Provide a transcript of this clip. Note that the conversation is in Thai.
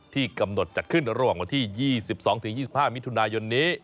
กำหนดจัดขึ้นระหว่างวันที่๒๒๒๕มิถุนายนนี้